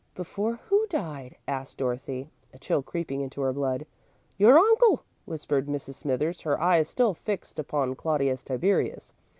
"Before who died?" asked Dorothy, a chill creeping into her blood. "Your uncle," whispered Mrs. Smithers, her eyes still fixed upon Claudius Tiberius.